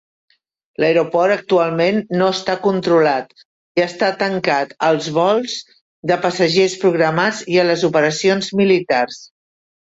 L'aeroport actualment no està controlat i està tancat als vols de passatgers programats i a les operacions militars.